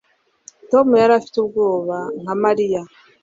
Tom yari afite ubwoba nka Mariya